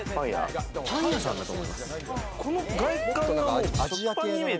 パン屋さんだと思います。